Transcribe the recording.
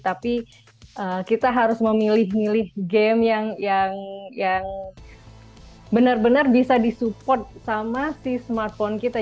tapi kita harus memilih milih game yang benar benar bisa disupport sama si smartphone kita